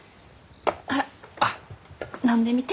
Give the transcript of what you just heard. ほら飲んでみて。